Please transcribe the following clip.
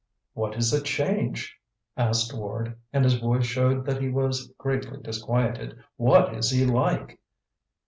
"What is the change?" asked Ward, and his voice showed that he was greatly disquieted. "What is he like?"